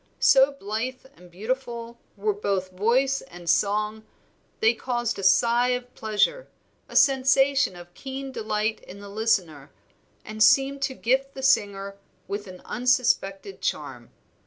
So blithe and beautiful were both voice and song they caused a sigh of pleasure, a sensation of keen delight in the listener, and seemed to gift the singer with an unsuspected charm.